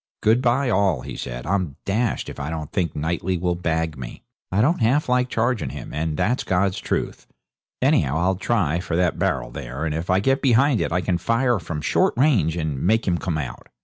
'Good bye, all,' he said. 'I'm dashed if I don't think Knightley will bag me. I don't half like charging him, and that's God's truth. Anyhow I'll try for that barrel there; and if I get behind it I can fire from short range and make him come out.'